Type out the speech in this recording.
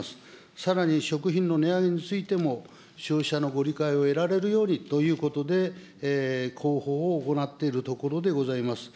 さらに食品の値上げについても、消費者のご理解を得られるようにということで、広報を行っているところでございます。